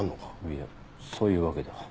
いやそういうわけでは。